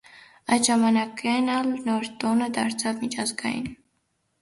Այդ ժամանակոէն ալ նոր տօնը դարձաւ «միջազգային»։